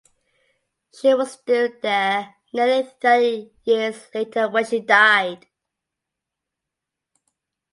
She was still there nearly thirty years later when she died.